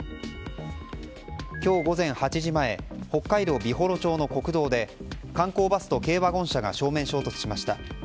今日午前８時前北海道美幌町の国道で観光バスと軽ワゴン車が正面衝突しました。